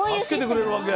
助けてくれるわけ？